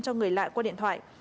cho người lạ qua điện thoại